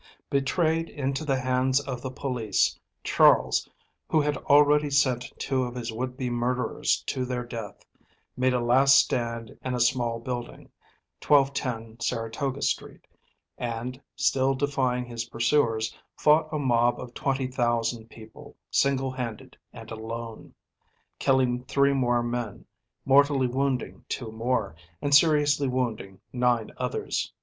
Betrayed into the hands of the police, Charles, who had already sent two of his would be murderers to their death, made a last stand in a small building, 1210 Saratoga Street, and, still defying his pursuers, fought a mob of twenty thousand people, single handed and alone, killing three more men, mortally wounding two more and seriously wounding nine others.